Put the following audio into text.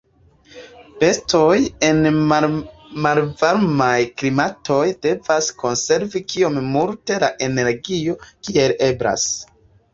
Bestoj en malvarmaj klimatoj devas konservi kiom multe da energio kiel eblas.